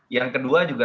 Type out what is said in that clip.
yang kedua juga